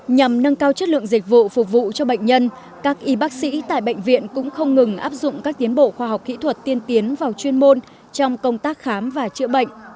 nhằm nâng cao chất lượng dịch vụ phục vụ cho bệnh nhân các y bác sĩ tại bệnh viện cũng không ngừng áp dụng các tiến bộ khoa học kỹ thuật tiên tiến vào chuyên môn trong công tác khám và chữa bệnh